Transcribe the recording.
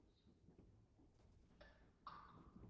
详细请参考本州四国联络桥公团。